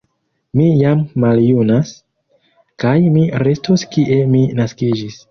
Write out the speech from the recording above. Mi jam maljunas, kaj mi restos kie mi naskiĝis.